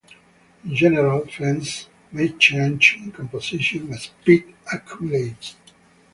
In general, fens may change in composition as peat accumulates.